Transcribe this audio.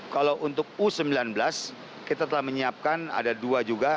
kalau untuk u sembilan belas kita telah menyiapkan ada dua juga